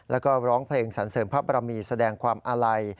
แล้วก็ร้องเพลงสรรเสริมพระบรมีแสดงความอาลัย